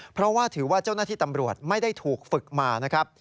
เพราะว่าถือว่าเจ้าหน้าที่ตำรวจไม่ได้ถูกฝึกมานะครับ